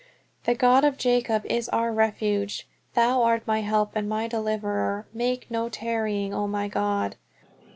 "The God of Jacob is our refuge." "Thou art my help and my deliverer; make no tarrying, O my God."